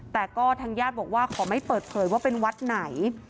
แต่ก็ทางญาติบอกว่าขอไม่เปิดเผยว่าเป็นวัดไหน